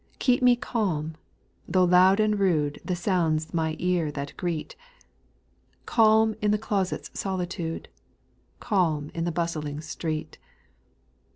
keep me calm, though loud and rude The sounds my ear that greet ; Calm in the closet's solitude ; Calm in the bustling street ;— 4.